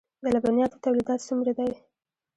د لبنیاتو تولیدات څومره دي؟